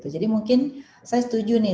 jadi mungkin saya setuju nih